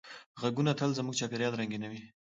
غږونه تل زموږ چاپېریال رنګینوي.